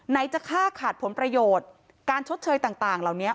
จะฆ่าขาดผลประโยชน์การชดเชยต่างเหล่านี้